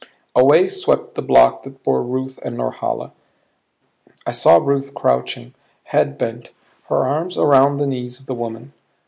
Away swept the block that bore Ruth and Norhala; I saw Ruth crouching, head bent, her arms around the knees of the woman.